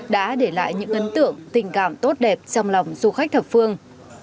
đã để lại những ấn tượng tình cảm tốt đẹp trong lòng du khách thập phương